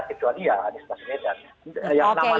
kecuali ya anies baswedan